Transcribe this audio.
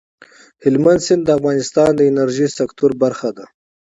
هلمند سیند د افغانستان د انرژۍ سکتور برخه ده.